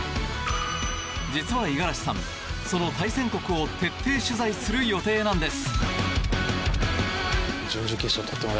実は五十嵐さん、その対戦国を徹底取材する予定なんです。